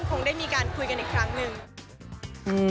คงได้มีการคุยกันอีกครั้งหนึ่ง